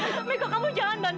mika mau sendirian